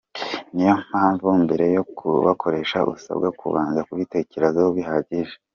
Niyo mpamvu mbere yo kubukoresha usabwa kubanza kubitekerezaho bihagije.